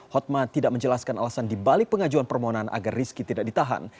hotma tidak menjelaskan alasan dibalik pengajuan permohonan agar rizky tidak ditahan